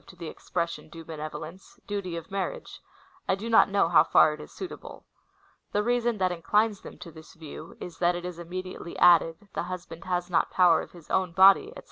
P 226 COMMENTARY ON THE CHAP. VII. 5. the expression due benevolence — duty of marriage — I do not know how far it is suitable. The reason that inclines them to this view is, that it is immediately added, The hv^band has not power of his own body, &c.